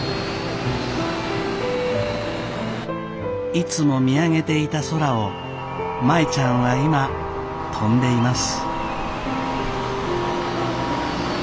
いつも見上げていた空を舞ちゃんは今飛んでいます。